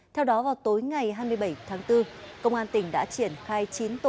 theo đó vào tối ngày hai mươi bảy tháng bốn công an tỉnh đã triển khai chín tổ